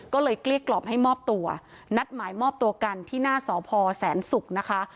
ก็เลยเกลี้ยกล่อมให้มอบตัวนัดหมายมอบตัวกันที่หน้าสพแสนศุกร์นะคะ